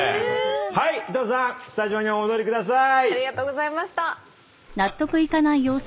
はい伊藤さんスタジオにお戻りくださーい。